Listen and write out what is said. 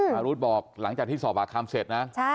อารุธบอกหลังจากที่สอบปากคำเสร็จนะ